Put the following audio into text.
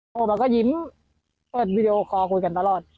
ออกมาก็ยิ้มเปิดวิดีโอคอลคุยกันตลอด